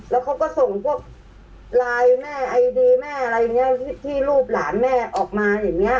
แล้วเขาก็ส่งพวกไลน์แม่ไอดีแม่อะไรอย่างนี้ที่รูปหลานแม่ออกมาอย่างนี้